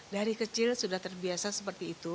dari kecil sudah terbiasa seperti itu